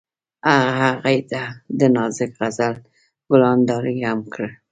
هغه هغې ته د نازک غزل ګلان ډالۍ هم کړل.